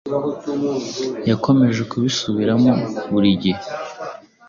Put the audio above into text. Yakomeje kubisubiramo buri gihe.